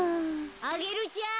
・アゲルちゃん！